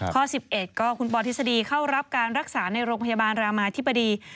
ข้อ๑๑ก็คุณปอทฤษฎีเข้ารับการรักษาในโรงพยาบาลรามาธิบดี